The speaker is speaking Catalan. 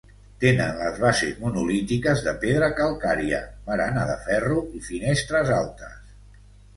Tenen les bases monolítiques de pedra calcària, barana de ferro i finestres altes.